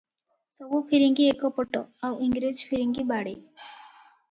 ସବୁ ଫିରିଙ୍ଗୀ ଏକପଟ, ଆଉ ଇଂରେଜ ଫିରିଙ୍ଗୀ ବାଡ଼େ ।